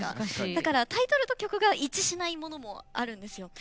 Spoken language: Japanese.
だから、タイトルと曲が一致しないものもあるんですよ。